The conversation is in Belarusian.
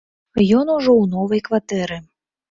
Ён ужо ў новай кватэры.